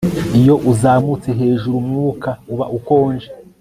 Iyo uzamutse hejuru umwuka uba ukonje